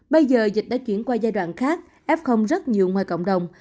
bây giờ dịch đã chuyển qua giai đoạn khác ép không rất nhiều ngoài cộng đồng